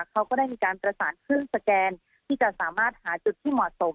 เขาก็ได้มีการประสานเครื่องสแกนที่จะสามารถหาจุดที่เหมาะสม